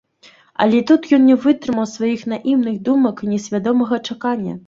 Але тут ён не вытрымаў сваіх наіўных думак і несвядомага чакання.